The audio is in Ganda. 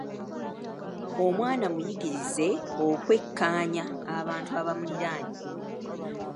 Omwana muyigirize okwekkaanya abantu abamuliraanye.